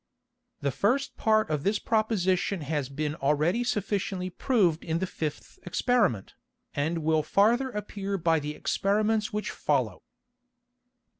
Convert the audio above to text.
_ The first Part of this Proposition has been already sufficiently proved in the fifth Experiment, and will farther appear by the Experiments which follow.